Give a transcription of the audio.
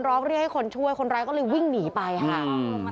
ร้องเรียกให้คนช่วยคนร้ายก็เลยวิ่งหนีไปค่ะ